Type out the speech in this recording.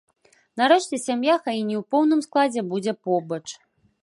Нарэшце сям'я, хай і не ў поўным складзе, будзе побач.